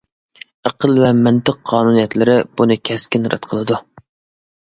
ئەقىل ۋە مەنتىق قانۇنىيەتلىرى بۇنى كەسكىن رەت قىلىدۇ.